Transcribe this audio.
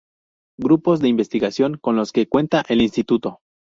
Grupos de investigación con los que cuenta el Instituto.